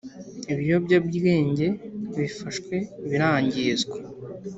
Ibiyobyabwenge bifashwe birangizwa